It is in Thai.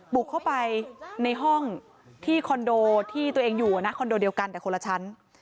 บุกเข้าไปในห้องที่คอนโดที่ตัวเองอยู่นะคอนโดเดียวกันแต่คนละชั้น